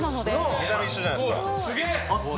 見た目一緒じゃないですか？